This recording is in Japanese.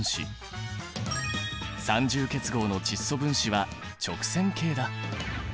三重結合の窒素分子は直線形だ。